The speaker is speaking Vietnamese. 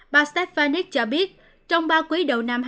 bà stephanec cho biết trong ba quý đầu năm hai nghìn hai mươi một